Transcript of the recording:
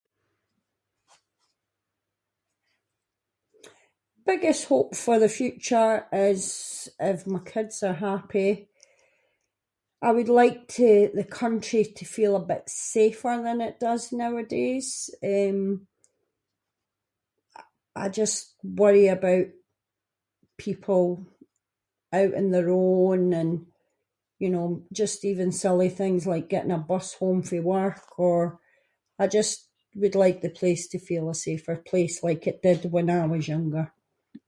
Biggest hope for the future is if my kids are happy. I would like to- the country to feel a bit safer than it does nowadays, eh, I- I just worry about people out on their own and you know, just even silly things like getting a bus home fae work or- I just would like the place to feel a safer place, like it did when I was younger.